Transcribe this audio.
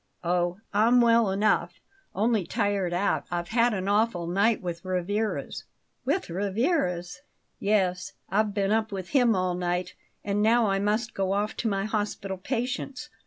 "Oh, I'm well enough only tired out. I've had an awful night with Rivarez." "With Rivarez?" "Yes; I've been up with him all night, and now I must go off to my hospital patients.